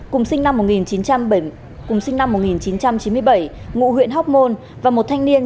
cùng sinh năm một nghìn chín trăm bảy mươi bảy ngụ huyện hóc môn và một thanh niên